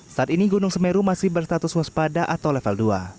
saat ini gunung semeru masih berstatus waspada atau level dua